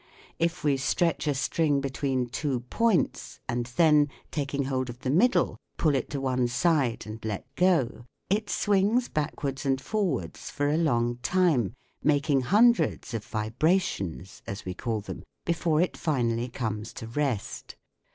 If we stretch a string between two points, and then, taking hold of the middle, pull it to one side and let go, it swings backwards and forwards for a long time, making hundreds of vibrations, as we call them, before it finally comes to rest.